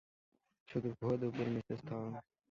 শুভ দুপুর, Mrs thorn.